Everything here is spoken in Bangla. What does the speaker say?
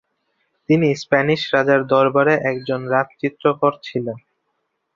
তিনি স্প্যানিশ রাজার দরবারের একজন রাজচিত্রকর ছিলেন।